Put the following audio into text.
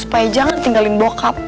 supaya jangan tinggalin bokap